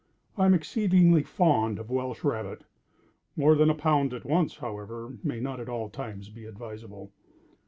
I am exceedingly fond of Welsh rabbit. More than a pound at once, however, may not at all times be advisable.